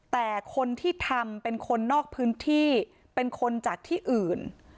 แต่คนที่ทำเป็นคนนอกพื้นที่เป็นคนจากที่อื่น